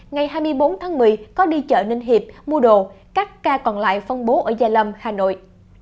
ngày hai mươi bốn tháng một mươi có đi chợ ninh hiệp mua đồ các ca còn lại phong bố ở gia lâm hà nội